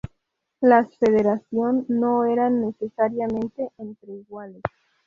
Las federación no eran necesariamente entre iguales.